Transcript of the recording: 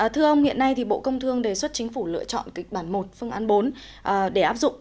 thưa ông hiện nay bộ công thương đề xuất chính phủ lựa chọn kịch bản một phương án bốn để áp dụng